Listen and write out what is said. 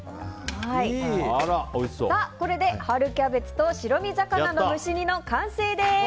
これで、春キャベツと白身魚の蒸し煮の完成です。